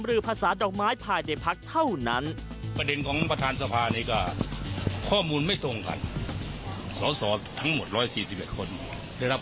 รับข้อมูลไม่ตรงครับ